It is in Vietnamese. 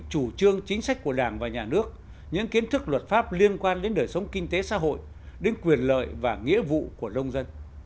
chủ trương chính sách của đảng và nhà nước những kiến thức luật pháp liên quan đến đời sống kinh tế xã hội đến quyền lợi và nghĩa vụ của lông dân